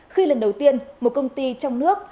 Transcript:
khi lần đầu tiên một công ty trong nước